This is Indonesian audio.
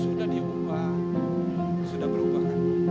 sudah diubah sudah berubah